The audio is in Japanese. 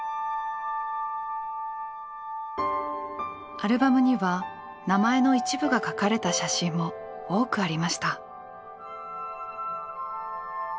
アルバムには名前の一部が書かれた写真も多くありました。